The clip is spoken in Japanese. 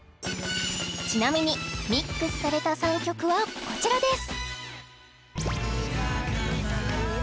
ちなみにＭＩＸされた３曲はこちらです！